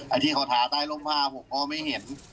ไอ้ที่เขาท้าใต้ร่มผ้าผมก็ไม่เห็น